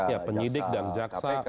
ya penyidik dan jaksa